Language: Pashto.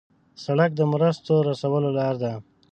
سړک د مرستو رسولو لار ده.